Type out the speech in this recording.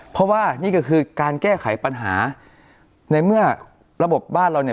เพราะว่านี่ก็คือการแก้ไขปัญหาในเมื่อระบบบ้านเราเนี่ย